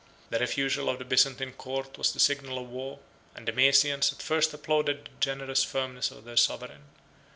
The refusal of the Byzantine court was the signal of war; and the Maesians at first applauded the generous firmness of their sovereign.